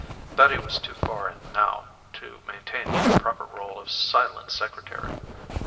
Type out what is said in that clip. Betty was too far in now to maintain her proper role of silent secretary.